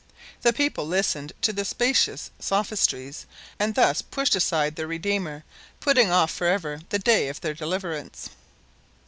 The people listened to the specious sophistries and thus pushed aside their redeemer, putting off forever the day of their deliverance.